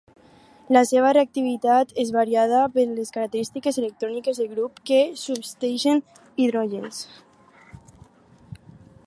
La seva reactivitat és variada per les característiques electròniques del grup que substitueix l'hidrogen.